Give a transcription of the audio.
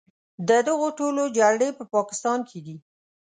د دغو ټولو جرړې په پاکستان کې دي.